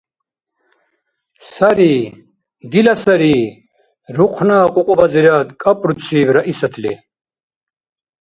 – Сари. Дила сари! – рухъна кьукьубазирад кӀапӀруциб Раисатли.